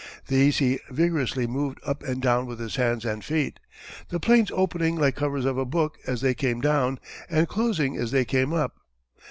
These he vigorously moved up and down with his hands and feet, the planes opening like covers of a book as they came down, and closing as they came up.